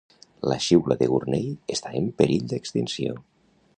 La xiula de Gurney està en perill d'extinció